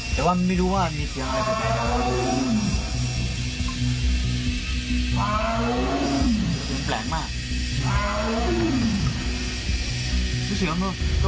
แต่ว่ามันไม่รู้ว่ามีเสียงอะไรแบบนี้นะครับ